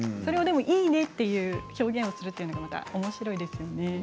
いいね！という表現をするというのがおもしろいですね。